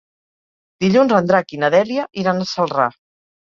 Dilluns en Drac i na Dèlia iran a Celrà.